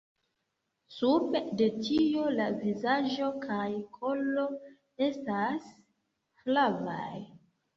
Sube de tio la vizaĝo kaj kolo estas flavaj.